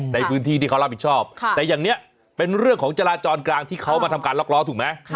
ในพื้นที่ที่เขารับผิดชอบแต่อย่างนี้เป็นเรื่องของจราจรกลางที่เขามาทำการล็อกล้อถูกไหม